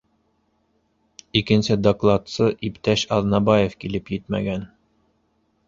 Икенсе докладсы иптәш Аҙнабаев килеп етмәгән.